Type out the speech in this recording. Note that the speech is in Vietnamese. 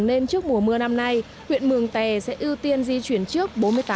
nên trước mùa mưa năm nay huyện mừng tè sẽ ưu tiên di chuyển trước